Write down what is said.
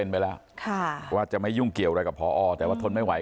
ไปแล้วว่าจะไม่ยุ่งเกี่ยวอะไรกับพอแต่ว่าทนไม่ไหว